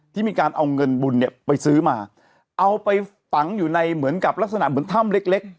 ที่มีการเอาเงินบุญเนี่ยไปซื้อมาเอาไปฝังอยู่ในเหมือนกับลักษณะเหมือนถ้ำเล็กเล็ก